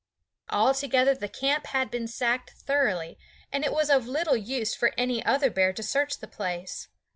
Altogether the camp had been sacked thoroughly, and it was of little use for any other bear to search the place.